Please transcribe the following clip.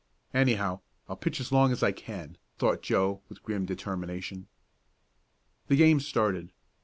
"Anyhow, I'll pitch as long as I can," thought Joe with grim determination. The game started.